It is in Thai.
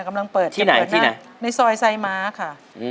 กำลังเปิดที่ไหนที่ไหนในซอยสายม้าค่ะอืม